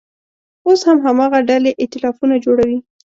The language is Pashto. اوس هم هماغه ډلې اییتلافونه جوړوي.